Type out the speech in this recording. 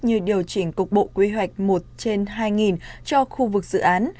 như điều chỉnh cục bộ quy hoạch một trên hai cho khu vực dự án